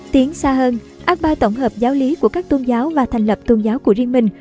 tiến xa hơn akbar tổng hợp giáo lý của các tôn giáo và thành lập tôn giáo của riêng mình